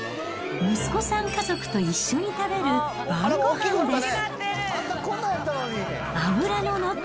息子さん家族と一緒に食べる晩ごはんです。